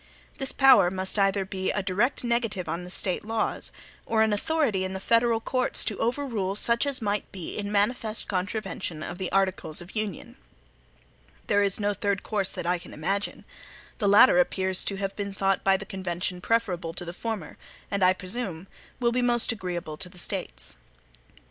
This power must either be a direct negative on the State laws, or an authority in the federal courts to overrule such as might be in manifest contravention of the articles of Union. There is no third course that I can imagine. The latter appears to have been thought by the convention preferable to the former, and, I presume, will be most agreeable to the States.